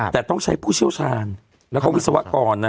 แต่ต้องใช้ผู้เชี่ยวชาญแล้วก็วิศวกรนะ